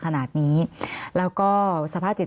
มันเป็นอาหารของพระราชา